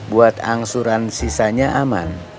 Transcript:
buat angsuran sisanya aman